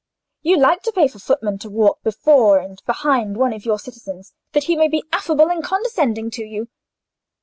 You like to pay for footmen to walk before and behind one of your citizens, that he may be affable and condescending to you.